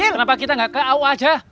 kenapa kita gak ke au aja